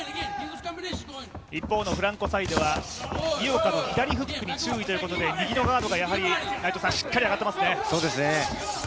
一方のフランコサイドは井岡の左フックに注意ということで右のガードがしっかり上がっていますね。